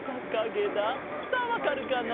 さあわかるかな？